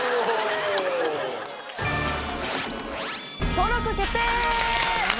登録決定！